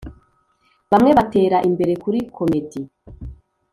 bamwe batera imbere kuri comedi.